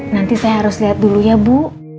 nanti saya harus lihat dulu ya bu